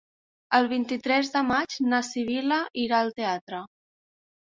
El vint-i-tres de maig na Sibil·la irà al teatre.